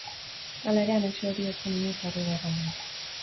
Hala ere anexio hori ez zen inoiz aurrera eraman.